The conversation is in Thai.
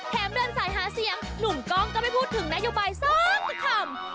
เดินสายหาเสียงหนุ่มกล้องก็ไม่พูดถึงนโยบายสักคำ